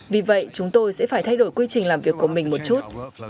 vì vậy chúng tôi sẽ phải thay đổi quy trình làm việc của mình một chút